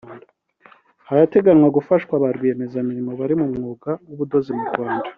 harateganywa gufashwa ba rwiyiyemezamirimo bari mu mwuga w’ubudozi mu Rwanda